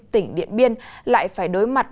tỉnh điện biên lại phải đối mặt